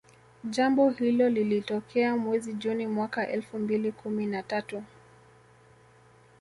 Jambo hilo lilitokea mwezi juni mwaka elfu mbili kumi na tatau